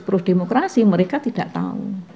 pro demokrasi mereka tidak tahu